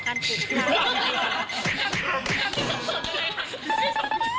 ทำพี่สมสดิ์อะไรครับ